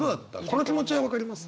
この気持ちは分かります？